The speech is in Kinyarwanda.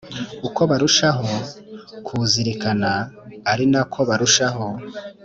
uko barushaho kuwuzirikana ari na ko barushaho